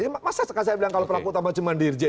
masa saya bilang kalau pelaku utama cuma dirjen